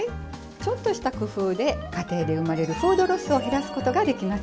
ちょっとした工夫で家庭で生まれるフードロスを減らすことができますよ。